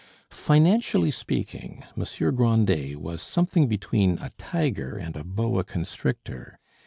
Financially speaking, Monsieur Grandet was something between a tiger and a boa constrictor.